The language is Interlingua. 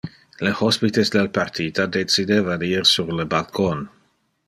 Le hospites del partita decideva de ir sur le balcon.